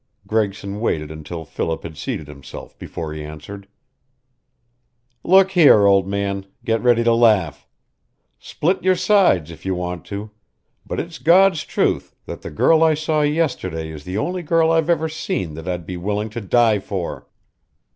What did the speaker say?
Gregson waited until Philip had seated himself before he answered. "Look here, old man get ready to laugh. Split your sides, if you want to. But it's God's truth that the girl I saw yesterday is the only girl I've ever seen that I'd be willing to die for!"